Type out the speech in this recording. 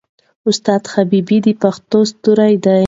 استاد حبیبي د ادب ستوری دی.